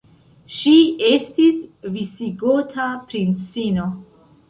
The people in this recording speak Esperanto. Ŝi estis visigota princino.